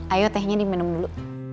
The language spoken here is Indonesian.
ayo tehnya diminum dulu